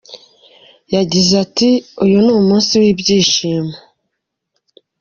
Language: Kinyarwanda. Yagize ati” Uyu ni umunsi w’ibyishimo.